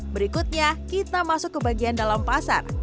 berikutnya kita masuk ke bagian dalam pasar